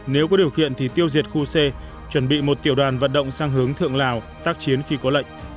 nếu có điều kiện thì tiêu diệt khu c chuẩn bị một tiểu đoàn vận động sang hướng thượng lào tác chiến khi có lệnh